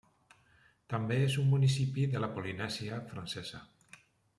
També és un municipi de la Polinèsia francesa.